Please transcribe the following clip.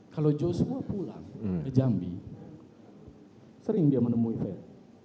kalau joshua pulang ke jambi sering dia menemui fer